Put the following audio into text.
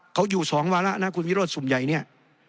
เขาอยู่สองวาระนะคุณวิโรธสุ่มใหญ่เนี่ย